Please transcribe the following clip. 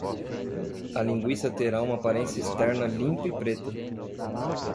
A linguiça terá uma aparência externa limpa e preta.